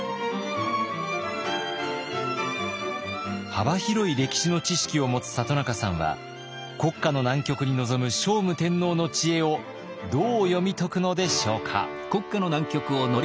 幅広い歴史の知識を持つ里中さんは国家の難局に臨む聖武天皇の知恵をどう読み解くのでしょうか。